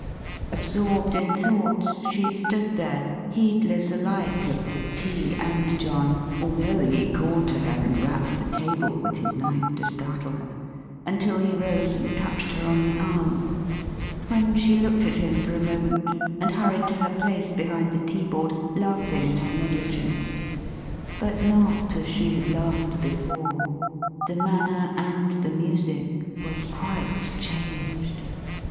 Absorbed in thought, she stood there, heedless alike of the tea and John (although he called to her, and rapped the table with his knife to startle her), until he rose and touched her on the arm; when she looked at him for a moment, and hurried to her place behind the teaboard, laughing at her negligence. But not as she had laughed before. The manner, and the music, were quite changed.